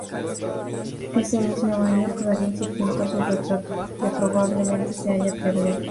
Ese mismo año, Da Vinci pintó su retrato, que probablemente se haya perdido.